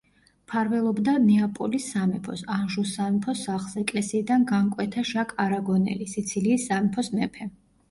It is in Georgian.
მფარველობდა ნეაპოლის სამეფოს, ანჟუს სამეფო სახლს, ეკლესიიდან განკვეთა ჟაკ არაგონელი, სიცილიის სამეფოს მეფე.